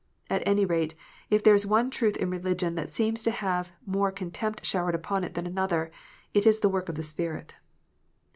At any rate, if there is one truth in religion that seems to have more contempt showered upon it than another, it is the work of the Spirit.